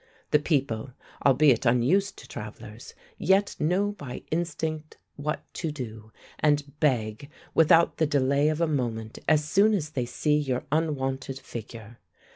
The people, albeit unused to travellers, yet know by instinct what to do, and beg without the delay of a moment as soon as they see your unwonted figure.